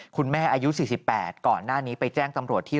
อายุ๔๘ก่อนหน้านี้ไปแจ้งตำรวจที่